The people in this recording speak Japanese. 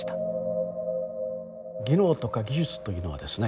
技能とか技術というのはですね